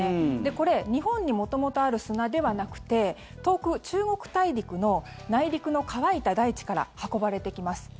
これ、日本に元々ある砂ではなくて遠く、中国大陸の内陸の乾いた台地から運ばれてきます。